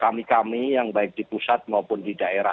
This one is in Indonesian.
kami kami yang baik di pusat maupun di daerah